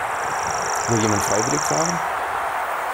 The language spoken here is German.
Will jemand freiwillig fahren?